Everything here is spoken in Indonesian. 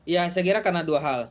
ya saya kira karena dua hal